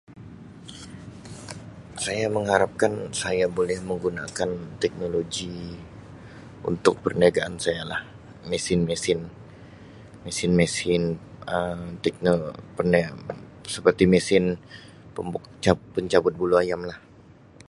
Saya mengharapkan saya boleh menggunakan teknologi untuk perniagaan saya lah mesin-mesin mesin-mesin Um [unintelligible] seperti mesin [unintelligible] pencabut bulu ayam lah.